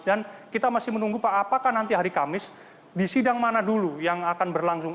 dan kita masih menunggu pak apakah nanti hari kamis di sidang mana dulu yang akan berlangsung